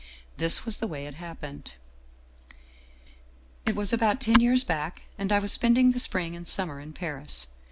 " This was the way it happened :" It was about ten years back, and I was spending the spring and summer in Paris.